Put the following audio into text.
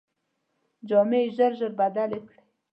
جامې یې ژر ژر بدلې کړې.